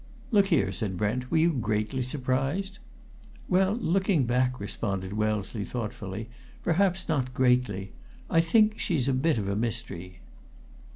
"Look here," said Brent, "were you greatly surprised?" "Well, looking back," responded Wellesley thoughtfully, "perhaps not greatly. I think she's a bit of a mystery."